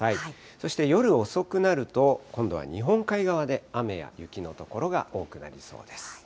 そして夜遅くなると、今度は日本海側で雨や雪の所が多くなりそうです。